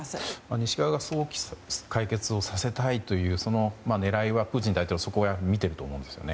西側が早期に解決をさせたいというその狙いは、プーチン大統領はそこは見てると思うんですよね。